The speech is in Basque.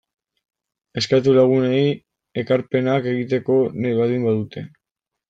Eskatu lagunei ekarpenak egiteko nahi baldin badute.